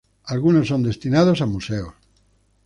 Algunos son destinados a museos.